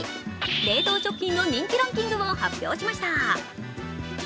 冷凍食品の人気ランキングを発表しました。